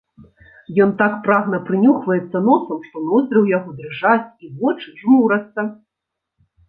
Ён так прагна прынюхваецца носам, што ноздры ў яго дрыжаць і вочы жмурацца.